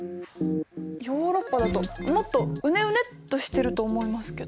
ヨーロッパだともっとウネウネッとしてると思いますけど。